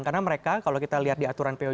karena mereka kalau kita lihat di aturan pos